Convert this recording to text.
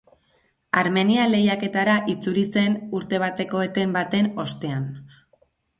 Armenia lehiaketara itzuli zen urte bateko eten baten ostean.